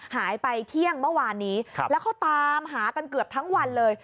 หายไปเที่ยงเมื่อวานนี้แล้วเขาตามหากันเกือบทั้งวันเลย